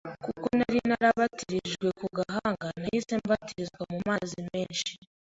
Kuko nari narabatijwe ku gahanga nahise mbatizwa mu mazi menshi,